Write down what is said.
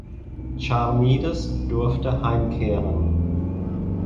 Charmides durfte heimkehren.